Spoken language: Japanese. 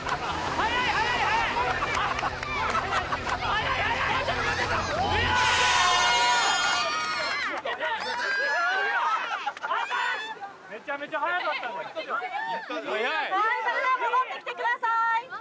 速いはいそれでは戻ってきてください